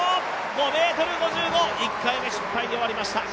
５ｍ５５、１回目失敗に終わりました。